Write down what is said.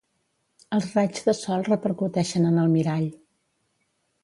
Els raigs de sol repercuteixen en el mirall.